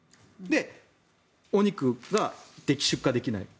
で、お肉が出荷できない。